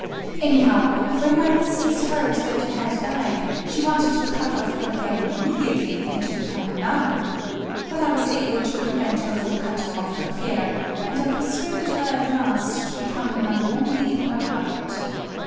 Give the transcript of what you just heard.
Anyhow, when my mistress heard that you had died, she wanted to cut off her hair immediately, and to become a nun. But I was able to prevent her from cutting off her hair; and I persuaded her at last to become a nun only in her heart.